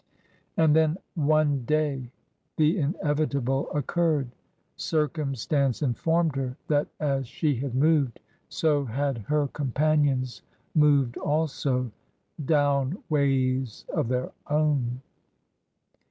And then, ^^ one day^^ the inevitable occurred. Cir cumstance informed her that as she had moved, so had her companions moved also — down ways of their own.